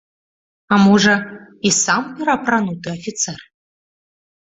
А можа, і сам пераапрануты афіцэр?